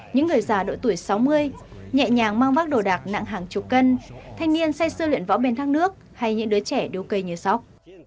những người già độ tuổi sáu mươi nhẹ nhàng mang vác đồ đạc nặng hàng chục cân thanh niên xây sư luyện võ bền thang nước hay những đứa trẻ đu cây như sóc